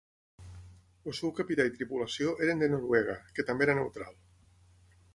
El seu capità i tripulació eren de Noruega, que també era neutral.